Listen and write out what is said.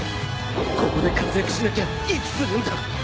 ここで活躍しなきゃいつするんだ！